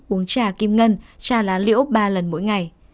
uống trà kim ngân trà lá liễu ba lần mỗi ngày